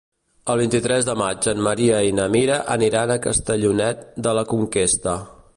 El vint-i-tres de maig en Maria i na Mira aniran a Castellonet de la Conquesta.